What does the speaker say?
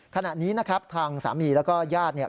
ขณะนี้นะครับทางสามีและก็ญาติ